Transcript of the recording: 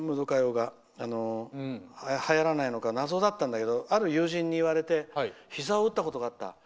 歌謡がはやらないのか謎だったんだけどある友人に言われてひざを打ったことがあった。